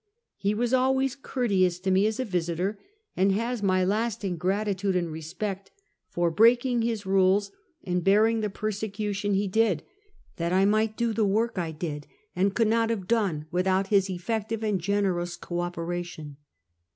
He was always courteous to me as a visiter, and has my lasting gratitude and respect for breaking his rules and bearing the persecution he Life aistd Death. 295 did, that I might do the work I did, and could not have done without his effective and generous co op eration.